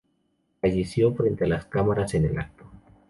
Falleció frente a las cámaras en el acto.